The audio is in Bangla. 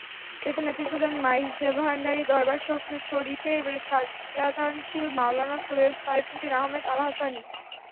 এতে নেতৃত্ব দেন মাইজভান্ডারি দরবার শরিফের সাজ্জাদানশীল মাওলানা সৈয়দ সাইফুদ্দীন আহমদ আল-হাসানী।